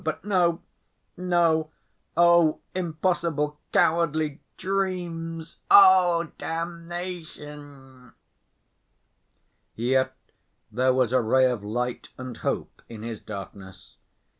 But no, no; oh, impossible cowardly dreams! Oh, damnation!" Yet there was a ray of light and hope in his darkness.